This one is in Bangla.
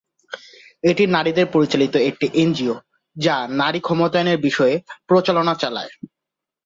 এটি নারীদের পরিচালিত একটি এনজিও যা নারী ক্ষমতায়নের বিষয়ে প্রচারণা চালায়।